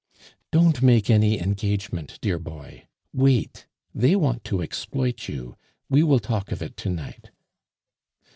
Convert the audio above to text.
"Don't make any engagement, dear boy; wait. They want to exploit you; we will talk of it to night."